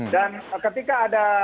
dan ketika ada